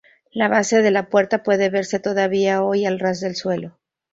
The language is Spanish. La base de la puerta puede verse todavía hoy al ras del suelo.